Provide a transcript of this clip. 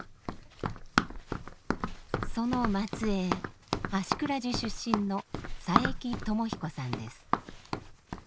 その末えい芦峅寺出身の佐伯知彦さんです。